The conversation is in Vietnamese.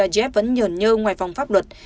jeb vẫn nhờn nhơ ngoài phòng pháp luật